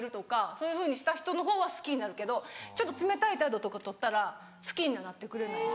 そういうふうにした人のほうは好きになるけどちょっと冷たい態度とか取ったら好きにはなってくれない。